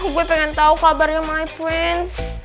gue pengen tau kabarnya my prince